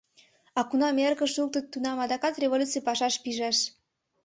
А кунам эрыкыш луктыт, тунам адакат революций пашаш пижаш.